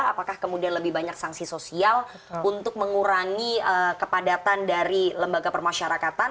apakah kemudian lebih banyak sanksi sosial untuk mengurangi kepadatan dari lembaga permasyarakatan